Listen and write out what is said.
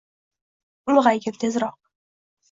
Ulg’aygin tezroq.